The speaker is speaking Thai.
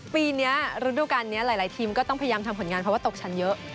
ปีนี้ฤดูการนี้หลายทีมก็ต้องพยายามทำผลงานเพราะว่าตกชั้นเยอะ